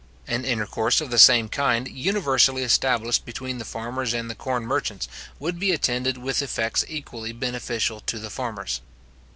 An intercourse of the same kind universally established between the farmers and the corn merchants, would be attended with effects equally beneficial to the farmers.